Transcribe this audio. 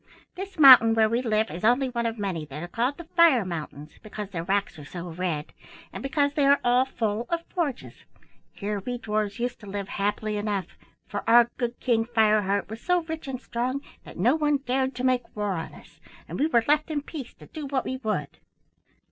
This mountain where we live is only one of many that are called the Fire Mountains, because their rocks are so red, and because they are all full of forges. Here we dwarfs used to live happily enough, for our good King Fireheart was so rich and strong that no one dared to make war on us, and we were left in peace to do what we would.